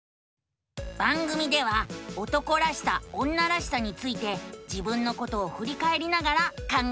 番組では「男らしさ女らしさ」について自分のことをふりかえりながら考えているのさ。